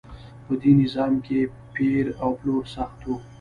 په دې نظام کې پیر او پلور سخت و.